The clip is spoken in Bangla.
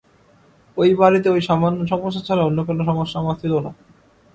ঐ বাড়িতে এই সামান্য সমস্যা ছাড়া অন্য কোনো সমস্যা আমার ছিল না।